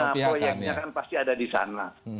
dan punya proyeknya kan pasti ada di sana